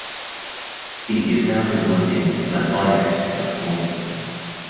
He is now residing in Lafayette, California.